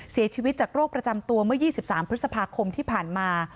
เสียชีวิตจากโรคประจำตัวเมื่อ๒๓พฤษภาคมที่ผ่านมา